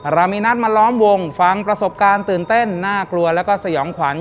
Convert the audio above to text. เรามีนัดมาล้อมวงฟังประสบการณ์ตื่นเต้นน่ากลัวแล้วก็สยองขวัญ